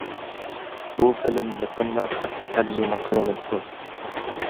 بۇ فىلىم يېقىندا خەتلىك تەرجىمە قىلىنىپتۇ.